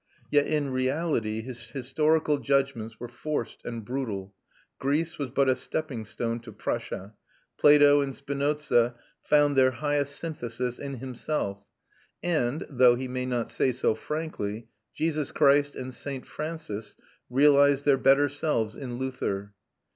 Yet in reality his historical judgments were forced and brutal: Greece was but a stepping stone to Prussia, Plato and Spinoza found their higher synthesis in himself, and (though he may not say so frankly) Jesus Christ and St. Francis realised their better selves in Luther.